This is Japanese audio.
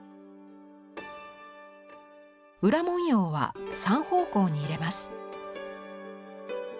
裏文様は３方向に入れます。